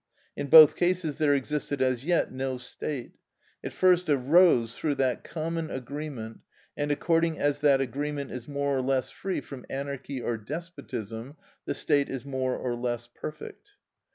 In both cases there existed as yet no state; it first arose through that common agreement; and according as that agreement is more or less free from anarchy or despotism, the state is more or less perfect.